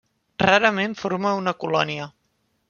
Rarament forma una colònia.